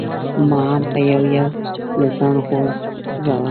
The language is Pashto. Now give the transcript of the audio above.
ما هم یو یو له ځانه غورځاوه.